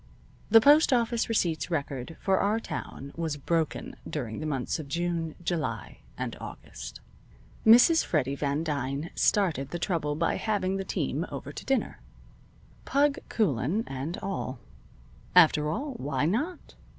The postoffice receipts record for our town was broken during the months of June, July, and August. Mrs. Freddy Van Dyne started the trouble by having the team over to dinner, "Pug" Coulan and all. After all, why not?